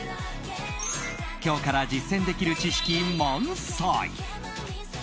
今日から実践できる知識満載。